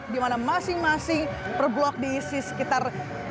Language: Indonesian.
dimana masing masing per blok diisi sekitar